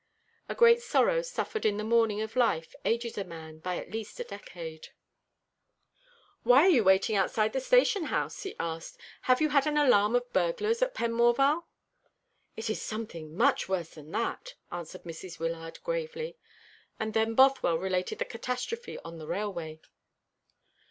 A great sorrow suffered in the morning of life ages a man by at least a decade. "Why are you waiting outside the station house?" he asked; "have you had an alarm of burglars at Penmorval?" "It is something much worse than that," answered Mrs. Wyllard gravely; and then Bothwell related the catastrophe on the railway.